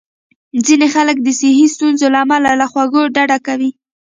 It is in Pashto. ځینې خلک د صحي ستونزو له امله له خوږو ډډه کوي.